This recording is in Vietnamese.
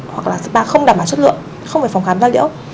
hoặc là spa không đảm bảo chất lượng không phải phòng khám da liễu